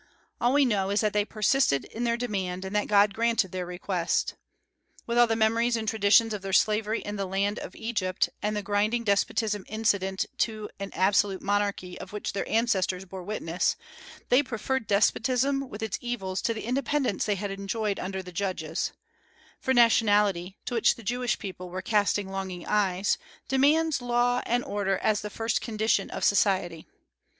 All that we know is that they persisted in their demand, and that God granted their request. With all the memories and traditions of their slavery in the land of Egypt, and the grinding despotism incident to an absolute monarchy of which their ancestors bore witness, they preferred despotism with its evils to the independence they had enjoyed under the Judges; for nationality, to which the Jewish people were casting longing eyes, demands law and order as the first condition of society.